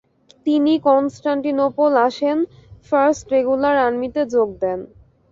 তিনি কন্সটান্টিনপল আসেন first regular আর্মিতে যোগ দেন।